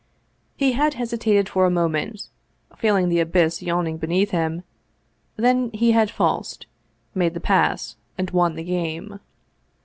He had hesi tated for a moment, feeling the abyss yawning beneath him ; then he had falsed, made the pass, and won the game.